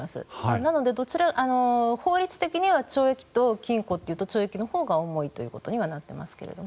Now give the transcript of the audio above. なので、法律的には懲役と禁錮というと懲役のほうが重いことにはなっていますけれども。